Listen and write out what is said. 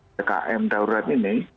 dkm daerah ini